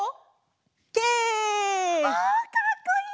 わかっこいい！